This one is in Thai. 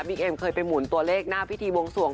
เอ็มเคยไปหมุนตัวเลขหน้าพิธีวงสวง